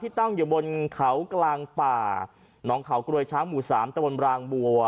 ตั้งอยู่บนเขากลางป่าน้องเขากรวยช้างหมู่สามตะบนรางบัว